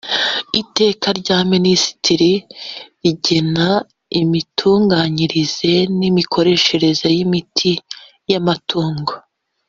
iteka rya minisitiri rigena imitunganyirize y’imikoreshereze y’imiti y’amatungo